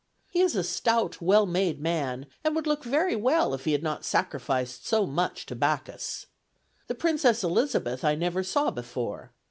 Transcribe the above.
He is a stout, well made man, and would look very well if he had not sacrificed so much to Bacchus. The Princess Elizabeth I never saw before.